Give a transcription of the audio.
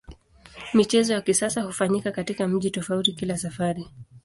Michezo ya kisasa hufanyika katika mji tofauti kila safari.